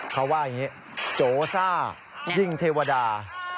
เขาว่าอย่างนี้โจซ่ายิงเทวดา